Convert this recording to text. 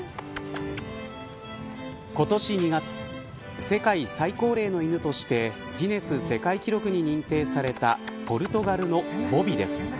今年２月世界最高齢の犬としてギネス世界記録に認定されたポルトガルのボビです。